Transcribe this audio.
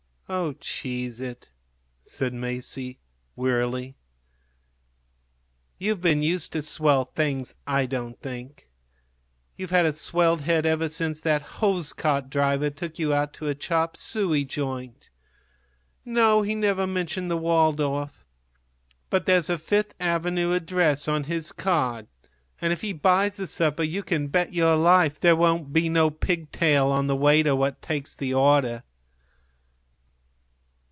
"Oh, cheese it!" said Masie, wearily. "You've been used to swell things, I don't think. You've had a swelled head ever since that hose cart driver took you out to a chop suey joint. No, he never mentioned the Waldorf; but there's a Fifth Avenue address on his card, and if he buys the supper you can bet your life there won't be no pigtail on the waiter what takes the order."